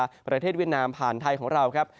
ประเทศเวียดนามผ่านไทยของเราครับ